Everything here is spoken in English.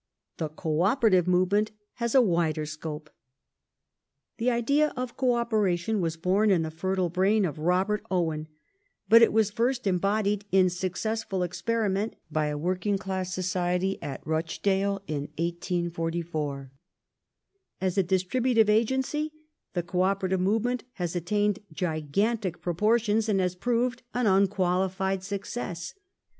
The Co operative movement has a wider scope. The idea of " Co operation " was born in the fertile brain of Robert Owen, but it was first embodied in successful experiment by a working class Society at Rochdale in 1844. As a distributive agency, the Co operative movement has attained gigantic propor tions and has proved an unqualified success.